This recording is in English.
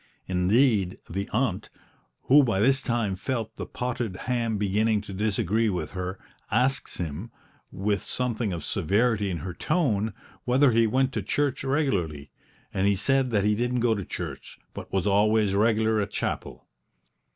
Indeed, the aunt, who by this time felt the potted ham beginning to disagree with her, asked him, with something of severity in her tone, whether he went to church regularly; and he said that he didn't go to church, but was always regular at chapel.